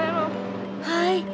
はい。